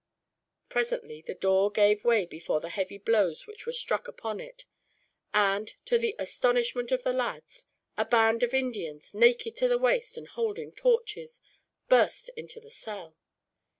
Presently the door gave way before the heavy blows which were struck upon it; and, to the astonishment of the lads, a band of Indians, naked to the waist and holding torches, burst into the cell.